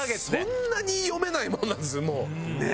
そんなに読めないものなんですね